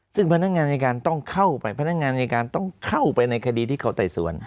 ซึ่งพนักงานอายการต้องเข้าไปพนักงานอายการต้องเข้าไปในคดีที่เขาไต่สวน